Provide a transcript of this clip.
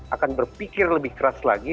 akan berpikir lebih keras lagi